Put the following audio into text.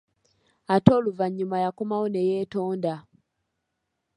Ate oluvannyuma yakomawo neyeetonda.